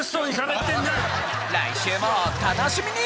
来週もお楽しみに！